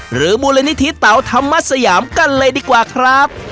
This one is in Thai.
หรือมูลนิธิเตาธรรมสยามกันเลยดีกว่าครับ